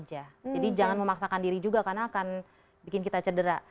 jadi jangan memaksakan diri juga karena akan bikin kita cedera